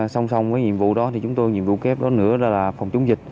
song song với nhiệm vụ đó thì chúng tôi nhiệm vụ kép đó nữa là phòng chống dịch